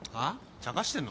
ちゃかしてんのか？